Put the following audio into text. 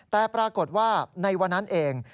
แต่ปรากฏว่าในวันนั้นเอง